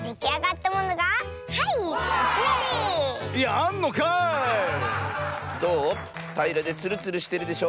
たいらでツルツルしてるでしょ？